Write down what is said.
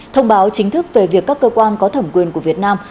thông báo chính thức về việc các cơ quan có thẩm quyền của việt nam